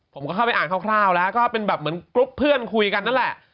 ผมก็เข้าไปอ่านคร่าวแล้วก็เป็นแบบเหมือนกรุ๊ปเพื่อนคุยกันนั่นแหละ